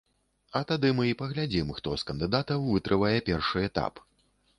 А тады мы і паглядзім, хто з кандыдатаў вытрывае першы этап.